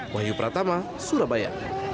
wahyu pratama surabaya